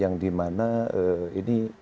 yang di mana ini